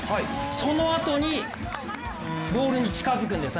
そのあとにボールに近づくんです